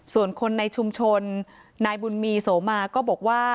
ส่วนคนในชุมชนนายบุญมีโสมาก็บอกว่า